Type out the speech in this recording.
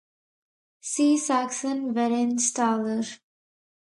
See Saxon Vereinsthaler.